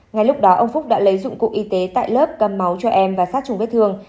ngay lúc đó ông phúc đã lấy dụng cụ y tế tại lớp cầm máu cho em và sát trùng vết thương